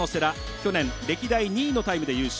去年、歴代２位のタイムで優勝。